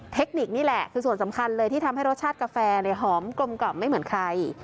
เทคนิคนี่แหละคือส่วนสำคัญเลยที่ทำให้รสชาติกาแฟหอมกลมกล่อมไม่เหมือนใคร